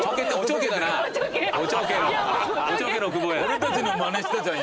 俺たちのマネしたじゃん